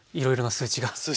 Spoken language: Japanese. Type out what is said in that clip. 数値が。